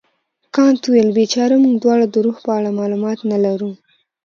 کانت وویل بیچاره موږ دواړه د روح په اړه معلومات نه لرو.